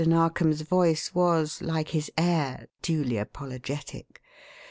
Narkom's voice was, like his air, duly apologetic.